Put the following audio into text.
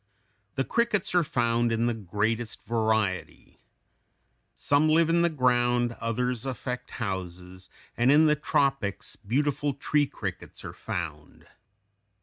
The crickets are found in the greatest variety. Some live in the ground, others affect houses, and in the tropics beautiful tree crickets are found.